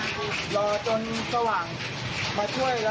ก็แค่มีเรื่องเดียวให้มันพอแค่นี้เถอะ